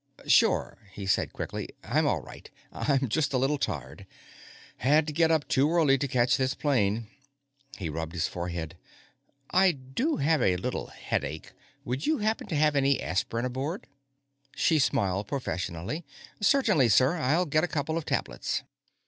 "Sure," he said quickly, "I'm all right. I'm just a little tired. Had to get up too early to catch this plane." He rubbed his forehead. "I do have a little headache; would you happen to have any aspirin aboard?" She smiled professionally. "Certainly, sir. I'll get a couple of tablets."